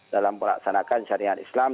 dalam perlaksanakan syariat islam